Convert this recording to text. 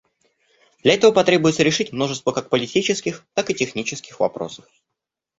Для этого потребуется решить множество как политических, так и технических вопросов.